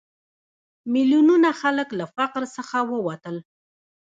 میلیونونه خلک له فقر څخه ووتل.